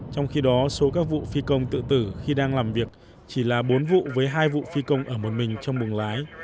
trong khi đó số các vụ phi công tự tử khi đang làm việc chỉ là bốn vụ với hai vụ phi công ở một mình trong buồng lái